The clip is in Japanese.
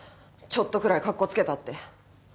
ちょっとくらいかっこつけたって。